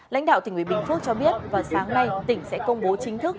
lãnh đạo tỉnh ủy bình phước cho biết vào sáng nay tỉnh sẽ công bố chính thức